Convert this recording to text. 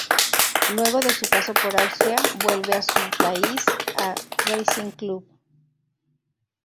Luego de su paso por Austria vuelve a su país a Racing Club.